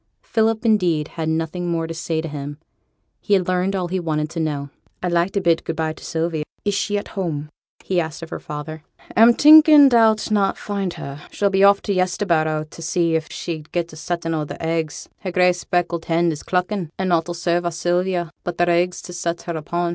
Philip, indeed, had nothing more to say to him: he had learned all he wanted to know. 'I'd like to bid good by to Sylvie. Is she at home?' he asked of her father. 'A'm thinking thou'll not find her. She'll be off to Yesterbarrow t' see if she'd get a settin' o' their eggs; her grey speckled hen is cluckin', and nought 'll serve our Sylvia but their eggs to set her upon.